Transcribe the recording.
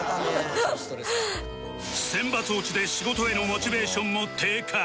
選抜落ちで仕事へのモチベーションも低下